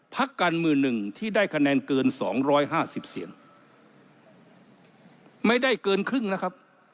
พักการเมืองหนึ่งที่ได้คะแนนเกินสองร้อยห้าสิบเสียงไม่ได้เกินครึ่งนะครับ